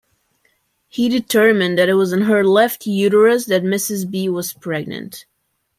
He determined that it was in her left uterus that Mrs. B. was pregnant.